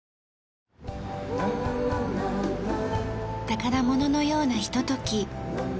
宝物のようなひととき。